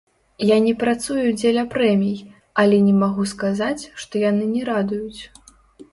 Я не працую дзеля прэмій, але не магу сказаць, што яны не радуюць.